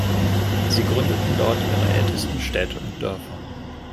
Sie gründeten dort ihre ältesten Städte und Dörfer.